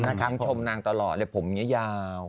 นางชอบนางชมนางตลอดเลยผมเงียว